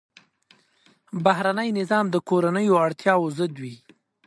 بهرنی نظام د کورنیو اړتیاوو ضد وي.